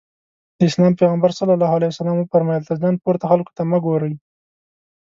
د اسلام پيغمبر ص وفرمايل تر ځان پورته خلکو ته مه ګورئ.